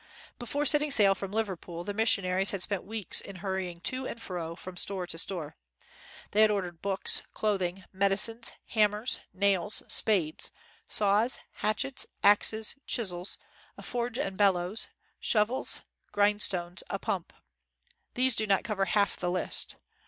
Before setting sail from Liverpool, the missionaries had spent weeks in hurrying to and fro from store to store. They had ordered books, clothing, medicines, ham mers, nails, spades, saws, hatchets, axes, chisels, a forge and bellows, shovels, grind stones, a pump. These do not cover half the list.